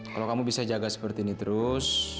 kalau kamu bisa jaga seperti ini terus